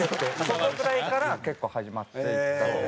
そのぐらいから結構始まっていって。